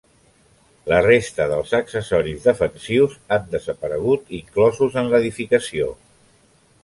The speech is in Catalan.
La resta dels accessoris defensius han desaparegut inclosos en l'edificació.